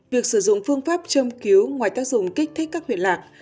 việc sử dụng phương pháp châm cứu ngoài tác dụng kích thích các huyện lạc